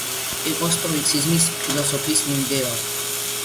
იყო სტოიციზმის ფილოსოფიის მიმდევარი.